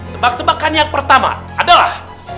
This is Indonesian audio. tebak tebakan yang pertama adalah